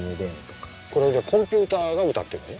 これはコンピューターが歌ってるのね？